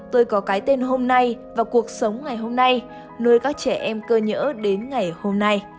tôi có cái tên hôm nay và cuộc sống ngày hôm nay nơi các trẻ em cơ nhỡ đến ngày hôm nay